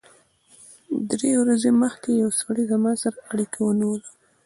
درې ورځې مخکې یو سړي زما سره اړیکه ونیوله